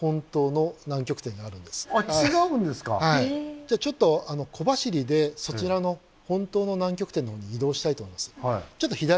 じゃあちょっと小走りでそちらの本当の南極点のほうに移動したいと思います。